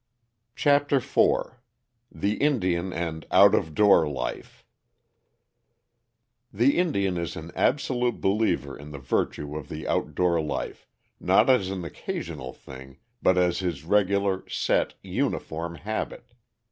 ] CHAPTER IV THE INDIAN AND OUT OF DOOR LIFE The Indian is an absolute believer in the virtue of the outdoor life, not as an occasional thing, but as his regular, set, uniform habit.